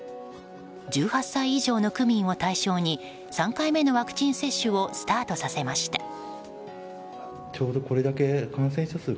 １８歳以上の区民を対象に３回目のワクチン接種をスタートさせました。